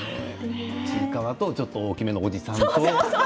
ちいかわとちょっと大きめのおじさんと。